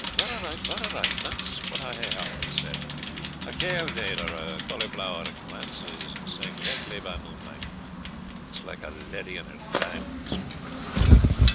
"Vara right, vara right that's what I hae aften said; a kail blade, or a colliflour, glances sae glegly by moonlight, it's like a leddy in her diamonds."